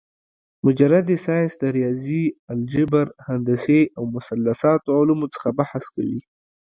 مجرد ساينس د رياضي ، الجبر ، هندسې او مثلثاتو علومو څخه بحث کوي